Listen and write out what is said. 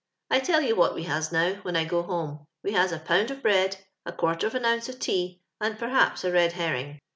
"* I tell you what we haa, now, when I go home. We has a pound of bread, a qnartor of an ounoe of tea, and pech^ts a red herring.